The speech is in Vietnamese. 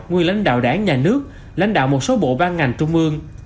nguyên lãnh đạo đảng nhà nước lãnh đạo một số bộ ban ngành trung ương